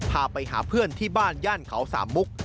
พาไปหาเพื่อนที่บ้านย่านเขาสามมุก